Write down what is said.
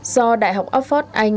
do đại học oxford anh